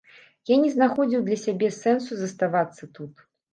Я не знаходзіў для сябе сэнсу заставацца тут.